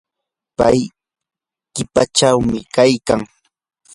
pay qipachawmi kaykan.